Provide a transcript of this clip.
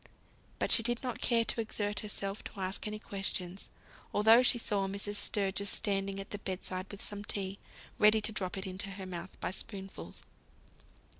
But she did not care to exert herself to ask any questions, although she saw Mrs. Sturgis standing at the bed side with some tea, ready to drop it into her mouth by spoonfuls.